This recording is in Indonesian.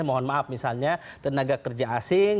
mohon maaf misalnya tenaga kerja asing